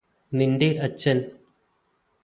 നിന്റെ അച്ഛന്